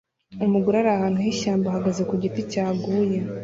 Umugore ari ahantu h'ishyamba ahagaze ku giti cyaguye